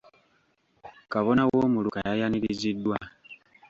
Kabona w'omuluka ya yaniriziddwa.